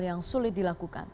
yang sulit dilakukan